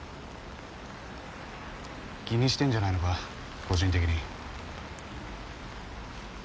気にしてんじゃないのか個人的に。